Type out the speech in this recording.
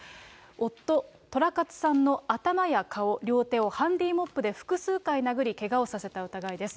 夫、寅勝さんの頭や顔、両手をハンディーモップで複数回殴り、けがをさせた疑いです。